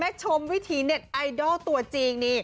แม่ชมวิธีเน็ตไอดอลตัวจริง